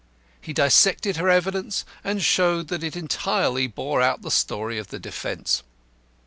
He dissected her evidence, and showed that it entirely bore out the story of the defence.